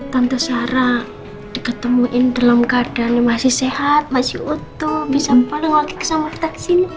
tante sarah diketemuin dalam keadaan yang masih sehat masih utuh bisa paling lagi bersama kita di sini